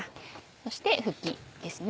そしてふきですね。